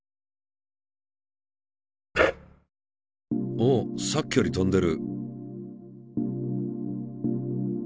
おっさっきより飛んでる！